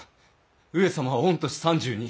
上様は御年３２。